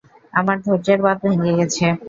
আমার ধৈর্য্যের বাঁধ ভেঙে গেছে।